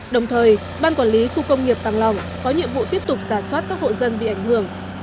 đồng thời ban quản lý khu công nghiệp tàng long có nhiệm vụ tiếp tục rà soát các hộ dân bị ảnh hưởng